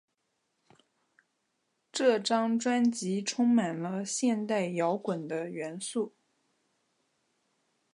这张专辑充满了现代摇滚的元素。